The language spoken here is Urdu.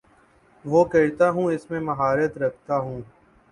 وہ کرتا ہوں اس میں مہارت رکھتا ہوں